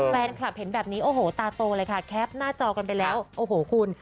แฟนคลับเห็นแบบนี้โอ้โหตาโตเลยค่ะแคปหน้าจอกันไปแล้วโอ้โหคุณ